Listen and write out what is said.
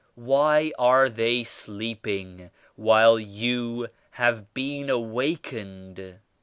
Why are they sleeping while you have been awakened?